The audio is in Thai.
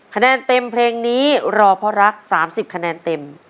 คะแนนเต็มเพลงนี้รอเพราะรัก๓๐คะแนนเต็ม